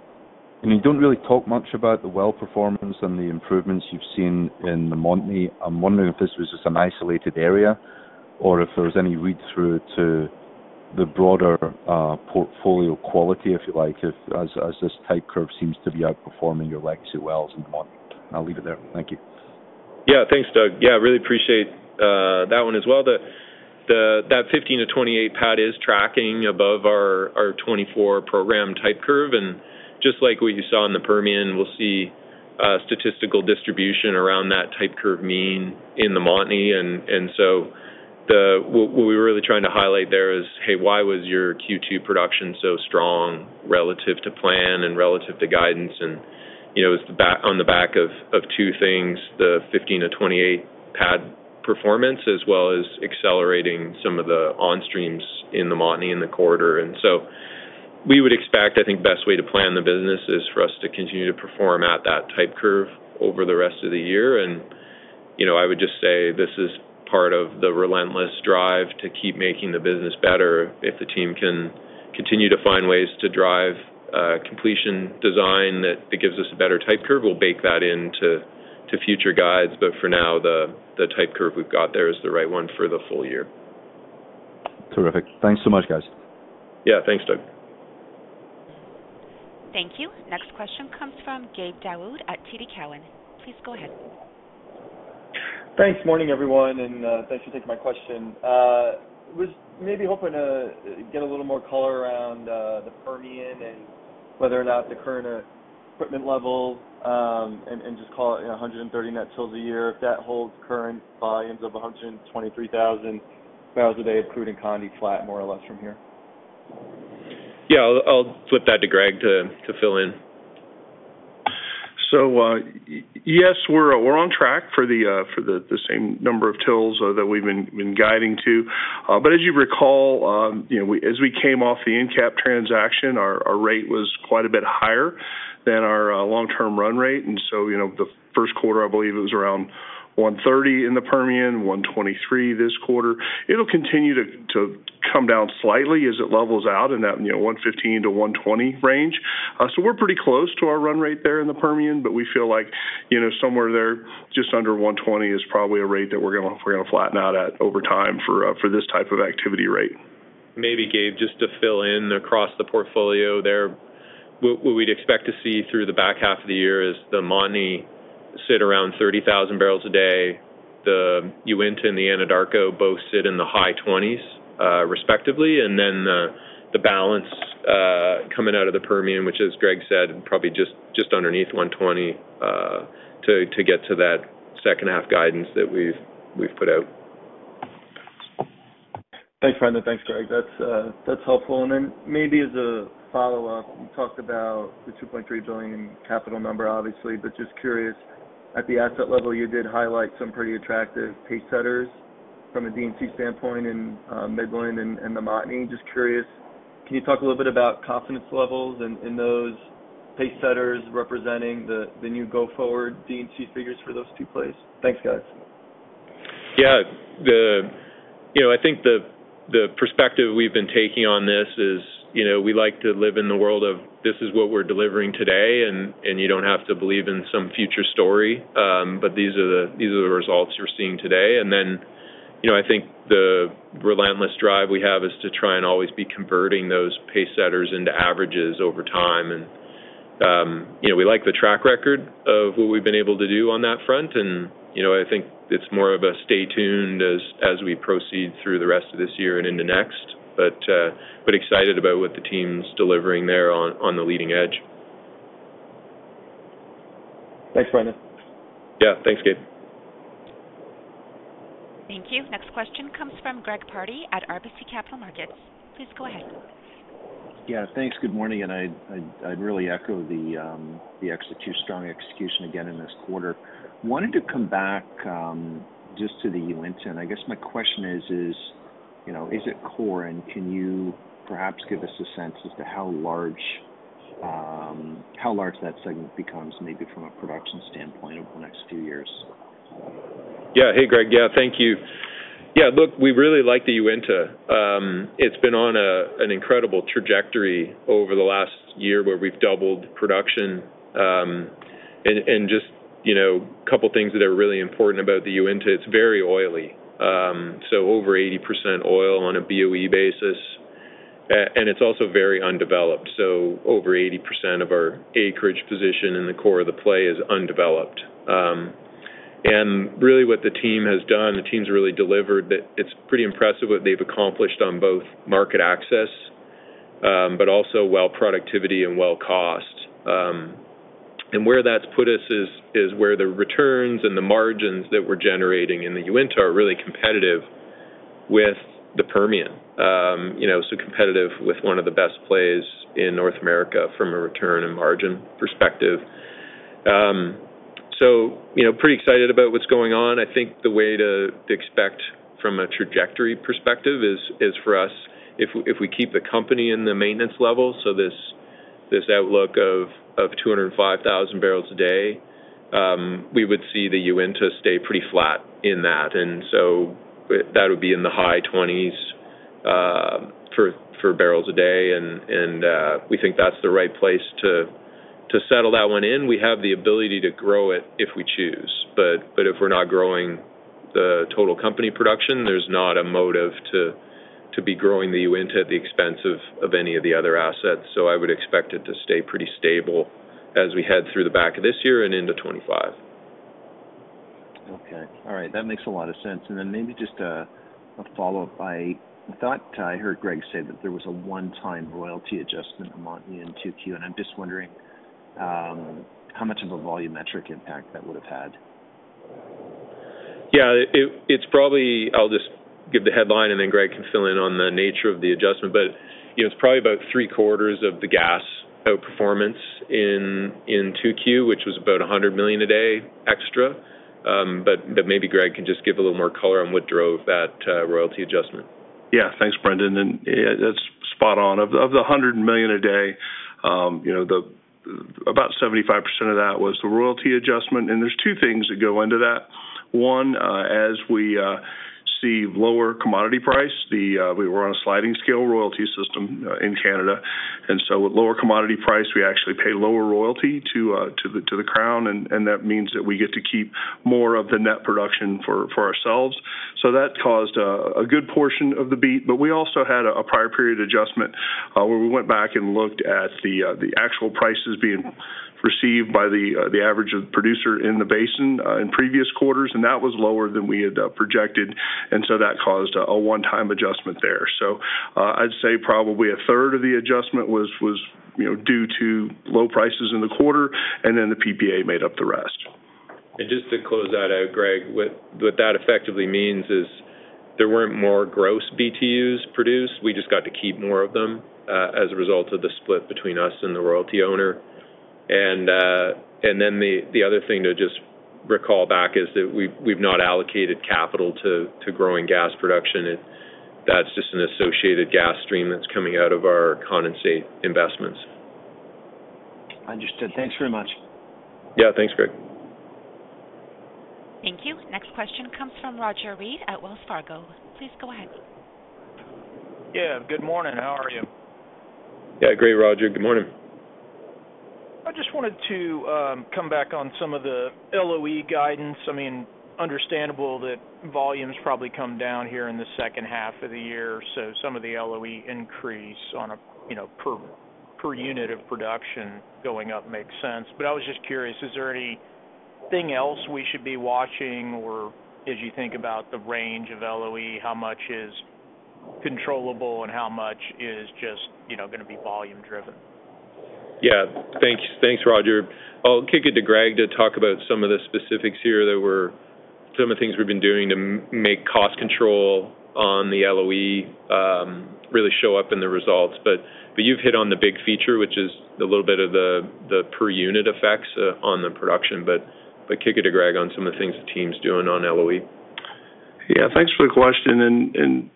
[SPEAKER 10] and you don't really talk much about the well performance and the improvements you've seen in the Montney. I'm wondering if this was just an isolated area or if there was any read-through to the broader portfolio quality, if you like, as this type curve seems to be outperforming your legacy wells in the Montney. I'll leave it there. Thank you.
[SPEAKER 3] Yeah, thanks, Doug. Yeah, I really appreciate that one as well. That 15 to 28 pad is tracking above our 2024 program tight curve. And just like what you saw in the Permian, we'll see statistical distribution around that tight curve mean in the Montney. And so what we were really trying to highlight there is, hey, why was your Q2 production so strong relative to plan and relative to guidance? And it was on the back of two things: the 15 to 28 pad performance as well as accelerating some of the onstreams in the Montney in the quarter. And so we would expect, I think, the best way to plan the business is for us to continue to perform at that tight curve over the rest of the year. And I would just say this is part of the relentless drive to keep making the business better. If the team can continue to find ways to drive completion design that gives us a better type curve, we'll bake that into future guides. But for now, the type curve we've got there is the right one for the full year.
[SPEAKER 10] Terrific. Thanks so much, guys.
[SPEAKER 3] Yeah, thanks, Doug.
[SPEAKER 1] Thank you. Next question comes from Gabe Daoud at TD Cowen. Please go ahead.
[SPEAKER 11] Thanks. Morning, everyone. And thanks for taking my question. I was maybe hoping to get a little more color around the Permian and whether or not the current equipment level and just call it 130 net TILs a year, if that holds current volumes of 123,000 barrels a day of crude and condensate, flat more or less from here.
[SPEAKER 3] Yeah, I'll flip that to Greg to fill in.
[SPEAKER 5] So yes, we're on track for the same number of TILs that we've been guiding to. But as you recall, as we came off the EnCap transaction, our rate was quite a bit higher than our long-term run rate. And so the first quarter, I believe it was around 130 in the Permian, 123 this quarter. It'll continue to come down slightly as it levels out in that 115-120 range. So we're pretty close to our run rate there in the Permian, but we feel like somewhere there just under 120 is probably a rate that we're going to flatten out at over time for this type of activity rate.
[SPEAKER 3] Maybe, Gabe, just to fill in across the portfolio there, what we'd expect to see through the back half of the year is the Montney sit around 30,000 barrels a day. The Uinta and the Anadarko both sit in the high 20s respectively. And then the balance coming out of the Permian, which, as Greg said, probably just underneath 120 to get to that second-half guidance that we've put out.
[SPEAKER 11] Thanks, Brendan. Thanks, Greg. That's helpful. And then maybe as a follow-up, you talked about the $2.3 billion capital number, obviously, but just curious, at the asset level, you did highlight some pretty attractive pacesetters from a D&C standpoint in Midland and the Montney. Just curious, can you talk a little bit about confidence levels in those pacesetters representing the new go-forward D&C figures for those two plays? Thanks, guys.
[SPEAKER 3] Yeah. I think the perspective we've been taking on this is we like to live in the world of this is what we're delivering today, and you don't have to believe in some future story. But these are the results you're seeing today. Then I think the relentless drive we have is to try and always be converting those pacesetters into averages over time. We like the track record of what we've been able to do on that front. I think it's more of a stay tuned as we proceed through the rest of this year and into next, but excited about what the team's delivering there on the leading edge.
[SPEAKER 11] Thanks, Brendan.
[SPEAKER 3] Yeah. Thanks, Gabe.
[SPEAKER 1] Thank you. Next question comes from Greg Pardy at RBC Capital Markets. Please go ahead.
[SPEAKER 12] Yeah. Thanks. Good morning. I'd really echo the strong execution again in this quarter. Wanted to come back just to the Uinta. I guess my question is, is it core? Can you perhaps give us a sense as to how large that segment becomes maybe from a production standpoint over the next few years?
[SPEAKER 3] Yeah. Hey, Greg. Yeah, thank you. Yeah. Look, we really like the Uinta. It's been on an incredible trajectory over the last year where we've doubled production. And just a couple of things that are really important about the Uinta, it's very oily. So over 80% oil on a BOE basis. And it's also very undeveloped. So over 80% of our acreage position in the core of the play is undeveloped. And really what the team has done, the team's really delivered that it's pretty impressive what they've accomplished on both market access, but also well productivity and well cost. And where that's put us is where the returns and the margins that we're generating in the Uinta are really competitive with the Permian. So competitive with one of the best plays in North America from a return and margin perspective. So pretty excited about what's going on. I think the way to expect from a trajectory perspective is for us, if we keep the company in the maintenance level, so this outlook of 205,000 barrels a day, we would see the Uinta stay pretty flat in that. And so that would be in the high 20s for barrels a day. And we think that's the right place to settle that one in. We have the ability to grow it if we choose. But if we're not growing the total company production, there's not a motive to be growing the Uinta at the expense of any of the other assets. So I would expect it to stay pretty stable as we head through the back of this year and into 2025.
[SPEAKER 12] Okay. All right. That makes a lot of sense. And then maybe just a follow-up. I thought I heard Greg say that there was a one-time royalty adjustment in Montney and QQ. And I'm just wondering how much of a volumetric impact that would have had.
[SPEAKER 3] Yeah. I'll just give the headline, and then Greg can fill in on the nature of the adjustment. But it's probably about three-quarters of the gas outperformance in QQ, which was about 100 million a day extra. But maybe Greg can just give a little more color on what drove that royalty adjustment.
[SPEAKER 5] Yeah. Thanks, Brendan. That's spot on. Of the 100 million a day, about 75% of that was the royalty adjustment. There's two things that go into that. One, as we see lower commodity price, we were on a sliding scale royalty system in Canada. So with lower commodity price, we actually pay lower royalty to the Crown. That means that we get to keep more of the net production for ourselves. So that caused a good portion of the beat. But we also had a prior period adjustment where we went back and looked at the actual prices being received by the average producer in the basin in previous quarters. That was lower than we had projected. So that caused a one-time adjustment there. I'd say probably a third of the adjustment was due to low prices in the quarter. And then the PPA made up the rest.
[SPEAKER 3] Just to close that out, Greg, what that effectively means is there weren't more gross BTUs produced. We just got to keep more of them as a result of the split between us and the royalty owner. Then the other thing to just recall back is that we've not allocated capital to growing gas production. That's just an associated gas stream that's coming out of our condensate investments.
[SPEAKER 12] Understood. Thanks very much.
[SPEAKER 3] Yeah. Thanks, Greg.
[SPEAKER 1] Thank you. Next question comes from Roger Read at Wells Fargo. Please go ahead.
[SPEAKER 13] Yeah. Good morning. How are you?
[SPEAKER 3] Yeah. Great, Roger. Good morning.
[SPEAKER 13] I just wanted to come back on some of the LOE guidance. I mean, understandable that volumes probably come down here in the second half of the year. So some of the LOE increase on a per unit of production going up makes sense. But I was just curious, is there anything else we should be watching? Or as you think about the range of LOE, how much is controllable and how much is just going to be volume-driven?
[SPEAKER 3] Yeah. Thanks, Roger. I'll kick it to Greg to talk about some of the specifics here that were some of the things we've been doing to make cost control on the LOE really show up in the results. But you've hit on the big feature, which is a little bit of the per unit effects on the production. But kick it to Greg on some of the things the team's doing on LOE.
[SPEAKER 5] Yeah. Thanks for the question. And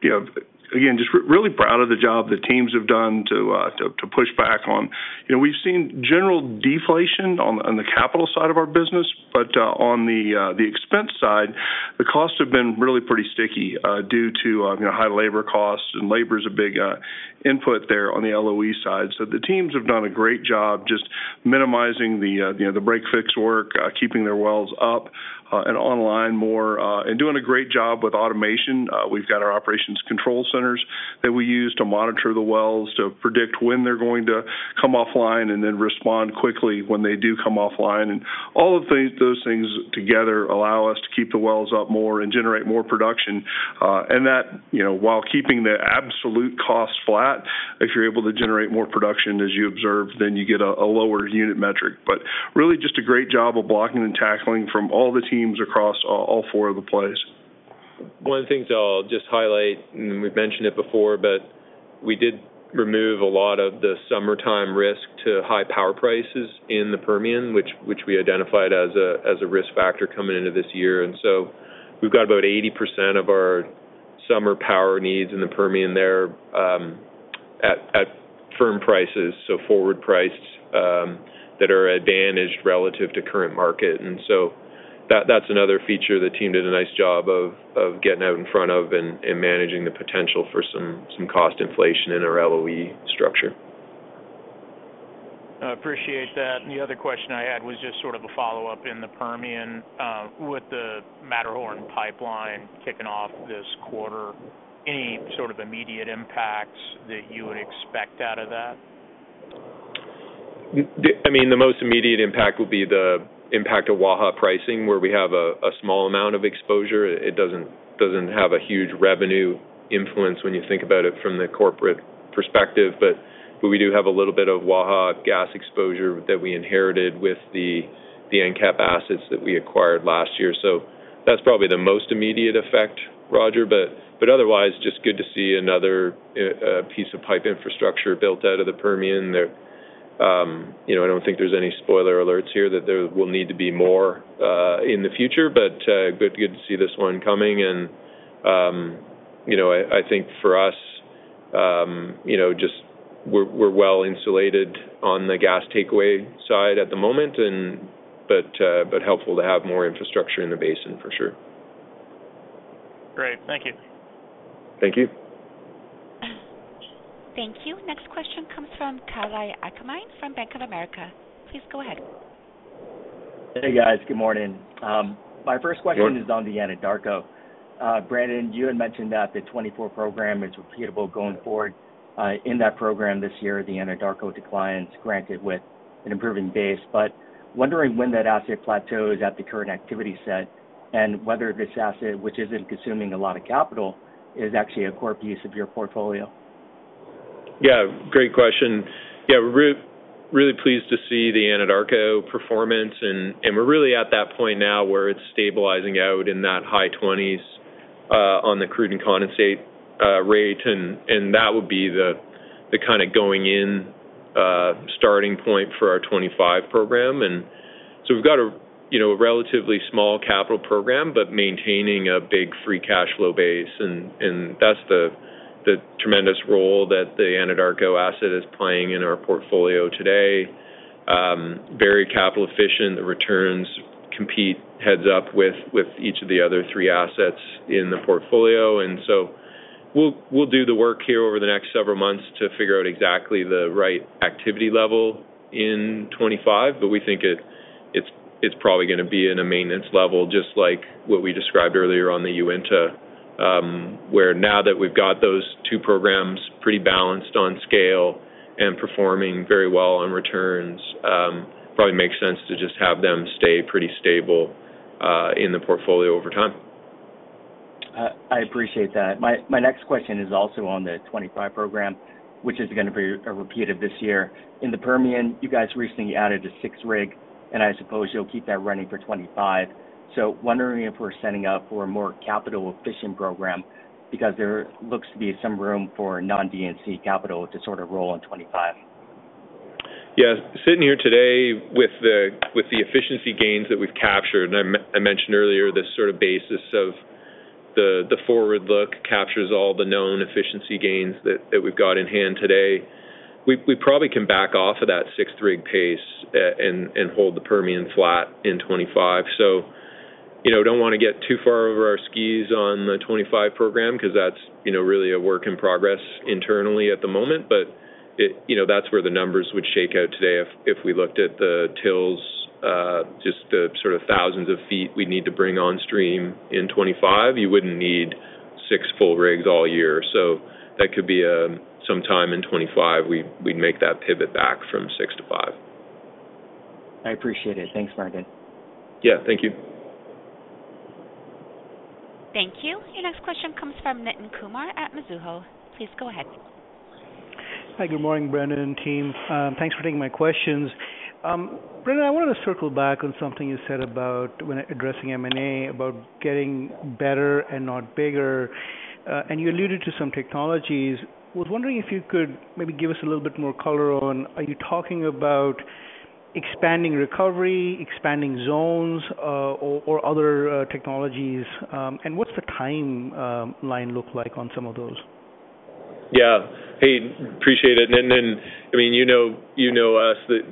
[SPEAKER 5] again, just really proud of the job the teams have done to push back on. We've seen general deflation on the capital side of our business. But on the expense side, the costs have been really pretty sticky due to high labor costs. And labor is a big input there on the LOE side. So the teams have done a great job just minimizing the break fix work, keeping their wells up and online more, and doing a great job with automation. We've got our operations control centers that we use to monitor the wells, to predict when they're going to come offline and then respond quickly when they do come offline. And all of those things together allow us to keep the wells up more and generate more production. And that while keeping the absolute cost flat, if you're able to generate more production, as you observe, then you get a lower unit metric. But really just a great job of blocking and tackling from all the teams across all four of the plays.
[SPEAKER 3] One of the things I'll just highlight, and we've mentioned it before, but we did remove a lot of the summertime risk to high power prices in the Permian, which we identified as a risk factor coming into this year. And so we've got about 80% of our summer power needs in the Permian there at firm prices, so forward priced that are advantaged relative to current market. And so that's another feature the team did a nice job of getting out in front of and managing the potential for some cost inflation in our LOE structure.
[SPEAKER 13] I appreciate that. The other question I had was just sort of a follow-up in the Permian. With the Matterhorn pipeline kicking off this quarter, any sort of immediate impacts that you would expect out of that?
[SPEAKER 3] I mean, the most immediate impact would be the impact of Waha pricing, where we have a small amount of exposure. It doesn't have a huge revenue influence when you think about it from the corporate perspective. But we do have a little bit of Waha gas exposure that we inherited with the EnCap assets that we acquired last year. So that's probably the most immediate effect, Roger. But otherwise, just good to see another piece of pipe infrastructure built out of the Permian. I don't think there's any spoiler alerts here that there will need to be more in the future. But good to see this one coming. And I think for us, just we're well insulated on the gas takeaway side at the moment, but helpful to have more infrastructure in the basin for sure.
[SPEAKER 13] Great. Thank you.
[SPEAKER 3] Thank you.
[SPEAKER 1] Thank you. Next question comes from Kalei Akamine from Bank of America. Please go ahead.
[SPEAKER 14] Hey, guys. Good morning. My first question is on the Anadarko. Brendan, you had mentioned that the 2024 program is repeatable going forward. In that program this year, the Anadarko declines granted with an improving base. But wondering when that asset plateaus at the current activity set and whether this asset, which isn't consuming a lot of capital, is actually a core piece of your portfolio.
[SPEAKER 3] Yeah. Great question. Yeah. We're really pleased to see the Anadarko performance. And we're really at that point now where it's stabilizing out in that high 20s on the crude and condensate rate. And that would be the kind of going-in starting point for our 2025 program. And so we've got a relatively small capital program, but maintaining a big free cash flow base. And that's the tremendous role that the Anadarko asset is playing in our portfolio today. Very capital efficient. The returns compete heads up with each of the other three assets in the portfolio. And so we'll do the work here over the next several months to figure out exactly the right activity level in 2025. But we think it's probably going to be in a maintenance level, just like what we described earlier on the Uinta, where now that we've got those two programs pretty balanced on scale and performing very well on returns, it probably makes sense to just have them stay pretty stable in the portfolio over time.
[SPEAKER 14] I appreciate that. My next question is also on the 2025 program, which is going to be a repeat of this year. In the Permian, you guys recently added a sixth rig. I suppose you'll keep that running for 2025. Wondering if we're setting up for a more capital efficient program because there looks to be some room for non-D&C capital to sort of roll in 2025.
[SPEAKER 3] Yeah. Sitting here today with the efficiency gains that we've captured, and I mentioned earlier this sort of basis of the forward look captures all the known efficiency gains that we've got in hand today, we probably can back off of that sixth rig pace and hold the Permian flat in 2025. So don't want to get too far over our skis on the 2025 program because that's really a work in progress internally at the moment. But that's where the numbers would shake out today if we looked at the TILs, just the sort of thousands of feet we need to bring on stream in 2025. You wouldn't need six full rigs all year. So that could be some time in 2025 we'd make that pivot back from six to five.
[SPEAKER 14] I appreciate it. Thanks, Brendan.
[SPEAKER 3] Yeah. Thank you.
[SPEAKER 1] Thank you. Your next question comes from Nitin Kumar at Mizuho. Please go ahead.
[SPEAKER 15] Hi. Good morning, Brendan and team. Thanks for taking my questions. Brendan, I wanted to circle back on something you said about when addressing M&A about getting better and not bigger. You alluded to some technologies. I was wondering if you could maybe give us a little bit more color on, are you talking about expanding recovery, expanding zones, or other technologies? What's the timeline look like on some of those?
[SPEAKER 3] Yeah. Hey, appreciate it. I mean, you know, it's that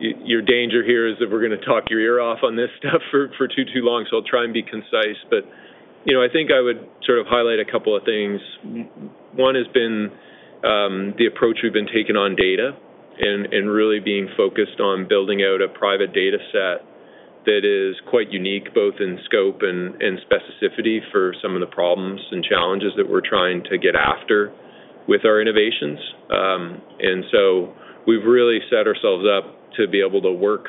[SPEAKER 3] your danger here is that we're going to talk your ear off on this stuff for too, too long. So I'll try and be concise. But I think I would sort of highlight a couple of things. One has been the approach we've been taking on data and really being focused on building out a private data set that is quite unique, both in scope and specificity for some of the problems and challenges that we're trying to get after with our innovations. And so we've really set ourselves up to be able to work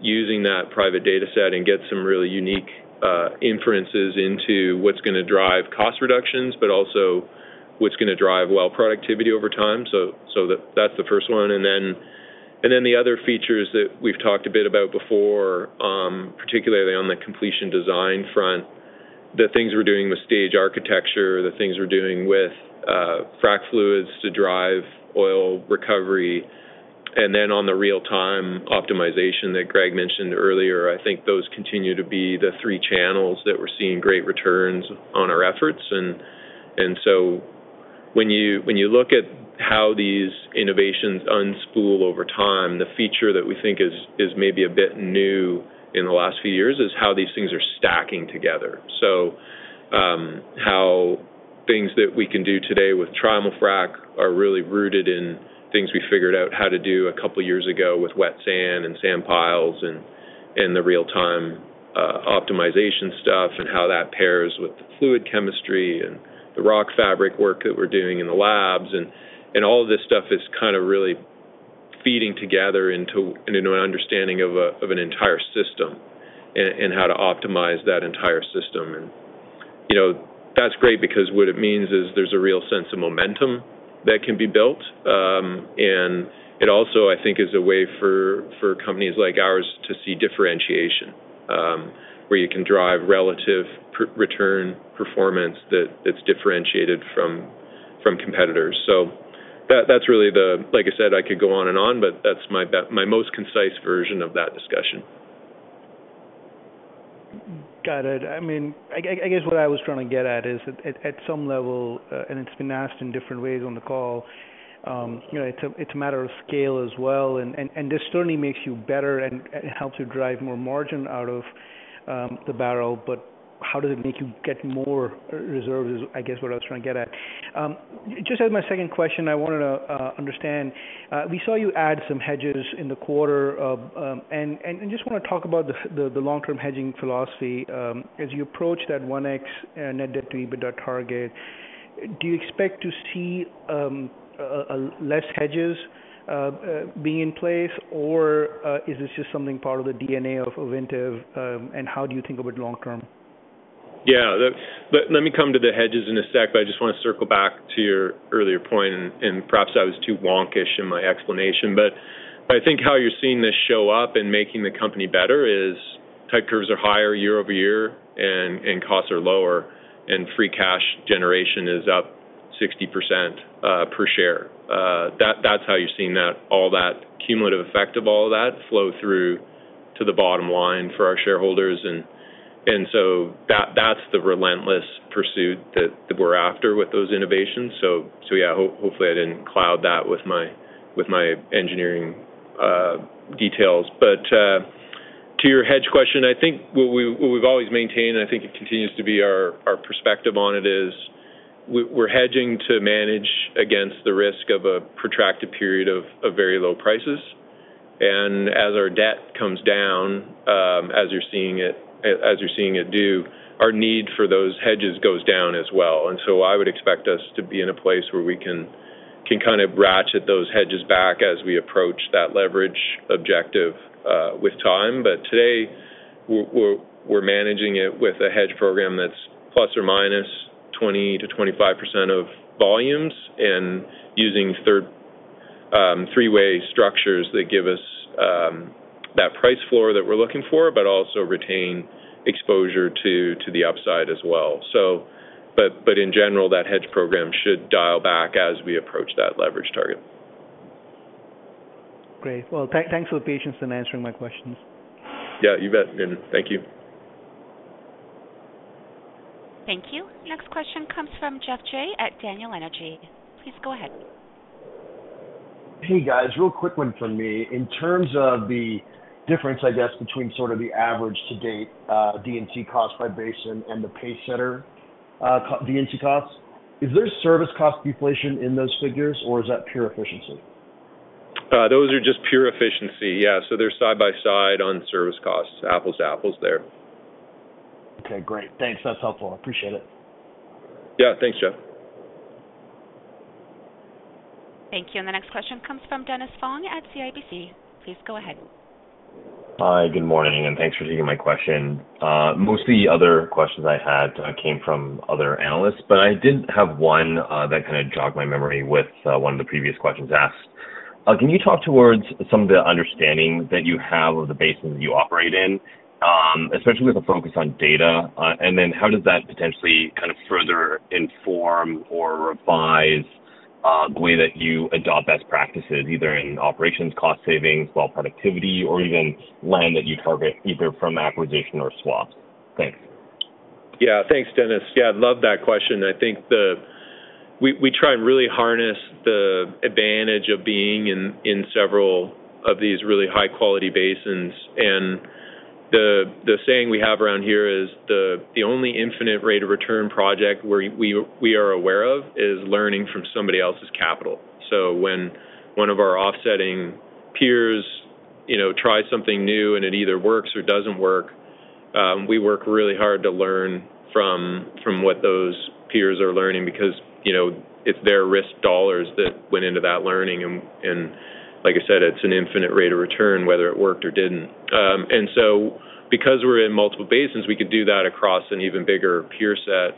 [SPEAKER 3] using that private data set and get some really unique inferences into what's going to drive cost reductions, but also what's going to drive well productivity over time. So that's the first one. And then the other features that we've talked a bit about before, particularly on the completion design front, the things we're doing with stage architecture, the things we're doing with frac fluids to drive oil recovery, and then on the real-time optimization that Greg mentioned earlier, I think those continue to be the three channels that we're seeing great returns on our efforts. And so when you look at how these innovations unspool over time, the feature that we think is maybe a bit new in the last few years is how these things are stacking together. So how things that we can do today with Trimul-Frac are really rooted in things we figured out how to do a couple of years ago with wet sand and sand piles and the real-time optimization stuff and how that pairs with the fluid chemistry and the rock fabric work that we're doing in the labs. And all of this stuff is kind of really feeding together into an understanding of an entire system and how to optimize that entire system. And that's great because what it means is there's a real sense of momentum that can be built. And it also, I think, is a way for companies like ours to see differentiation where you can drive relative return performance that's differentiated from competitors. So that's really the, like I said, I could go on and on, but that's my most concise version of that discussion. Got it. I mean, I guess what I was trying to get at is at some level, and it's been asked in different ways on the call, it's a matter of scale as well. And this certainly makes you better and helps you drive more margin out of the barrel. But how does it make you get more reserves is, I guess, what I was trying to get at. Just as my second question, I wanted to understand. We saw you add some hedges in the quarter. And I just want to talk about the long-term hedging philosophy. As you approach that 1x net debt to EBITDA target, do you expect to see less hedges being in place, or is this just something part of the DNA of Ovintiv? And how do you think of it long-term? Yeah. Let me come to the hedges in a sec, but I just want to circle back to your earlier point. And perhaps I was too wonkish in my explanation. But I think how you're seeing this show up and making the company better is type curves are higher year-over-year, and costs are lower, and free cash generation is up 60% per share. That's how you're seeing all that cumulative effect of all of that flow through to the bottom line for our shareholders. And so that's the relentless pursuit that we're after with those innovations. So yeah, hopefully I didn't cloud that with my engineering details. But to your hedge question, I think what we've always maintained, and I think it continues to be our perspective on it, is we're hedging to manage against the risk of a protracted period of very low prices. As our debt comes down, as you're seeing it do, our need for those hedges goes down as well. And so I would expect us to be in a place where we can kind of ratchet those hedges back as we approach that leverage objective with time. But today, we're managing it with a hedge program that's ±20%-25% of volumes and using three-way structures that give us that price floor that we're looking for, but also retain exposure to the upside as well. But in general, that hedge program should dial back as we approach that leverage target.
[SPEAKER 15] Great. Well, thanks for the patience in answering my questions.
[SPEAKER 3] Yeah. You bet. Thank you.
[SPEAKER 1] Thank you. Next question comes from Geoff Jay at Daniel Energy. Please go ahead.
[SPEAKER 16] Hey, guys. Real quick one from me. In terms of the difference, I guess, between sort of the average to date D&C cost by basin and the pacesetter D&C costs, is there service cost deflation in those figures, or is that pure efficiency?
[SPEAKER 3] Those are just pure efficiency. Yeah. So they're side by side on service costs. Apples to apples there.
[SPEAKER 16] Okay. Great. Thanks. That's helpful. I appreciate it.
[SPEAKER 3] Yeah. Thanks, Geoff.
[SPEAKER 1] Thank you. The next question comes from Dennis Fong at CIBC. Please go ahead.
[SPEAKER 17] Hi. Good morning. Thanks for taking my question. Most of the other questions I had came from other analysts, but I did have one that kind of jogged my memory with one of the previous questions asked. Can you talk towards some of the understanding that you have of the basin that you operate in, especially with a focus on data? And then how does that potentially kind of further inform or revise the way that you adopt best practices, either in operations, cost savings, well productivity, or even land that you target either from acquisition or swaps? Thanks.
[SPEAKER 3] Yeah. Thanks, Dennis. Yeah. I love that question. I think we try and really harness the advantage of being in several of these really high-quality basins. And the saying we have around here is the only infinite rate of return project we are aware of is learning from somebody else's capital. So when one of our offsetting peers tries something new and it either works or doesn't work, we work really hard to learn from what those peers are learning because it's their risk dollars that went into that learning. And like I said, it's an infinite rate of return, whether it worked or didn't. And so because we're in multiple basins, we could do that across an even bigger peer set.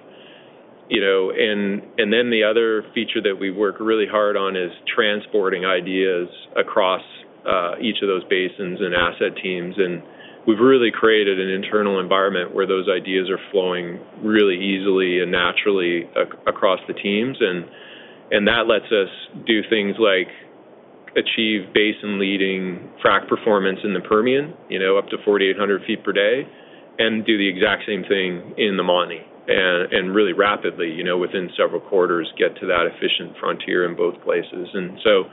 [SPEAKER 3] And then the other feature that we work really hard on is transporting ideas across each of those basins and asset teams. We've really created an internal environment where those ideas are flowing really easily and naturally across the teams. That lets us do things like achieve basin-leading frac performance in the Permian, up to 4,800 feet per day, and do the exact same thing in the Montney, and really rapidly within several quarters, get to that efficient frontier in both places. So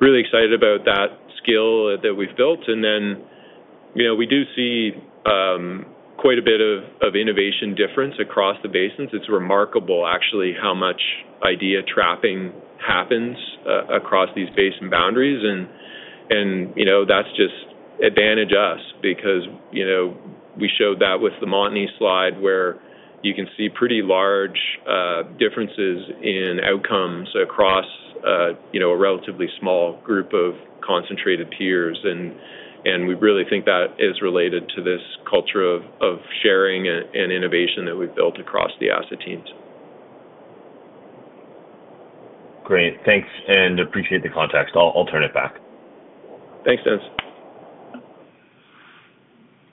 [SPEAKER 3] really excited about that skill that we've built. Then we do see quite a bit of innovation difference across the basins. It's remarkable, actually, how much idea trapping happens across these basin boundaries. That's just advantaged us because we showed that with the Montney slide where you can see pretty large differences in outcomes across a relatively small group of concentrated peers. We really think that is related to this culture of sharing and innovation that we've built across the asset teams.
[SPEAKER 17] Great. Thanks. And appreciate the context. I'll turn it back.
[SPEAKER 3] Thanks, Dennis.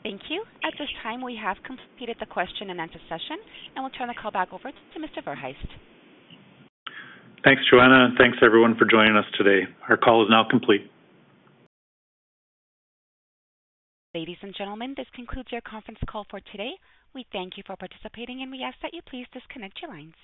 [SPEAKER 1] Thank you. At this time, we have completed the question and answer session. We'll turn the call back over to Mr. Verhaest.
[SPEAKER 2] Thanks, Joanne. Thanks, everyone, for joining us today. Our call is now complete.
[SPEAKER 1] Ladies and gentlemen, this concludes your conference call for today. We thank you for participating, and we ask that you please disconnect your lines.